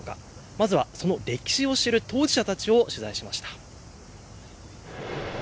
まずはその歴史を知る当事者たちを取材しました。